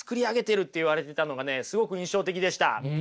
すごく印象的でした。